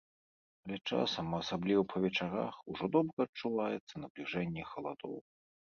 Але часам, а асабліва па вечарах ужо добра адчуваецца набліжэнне халадоў.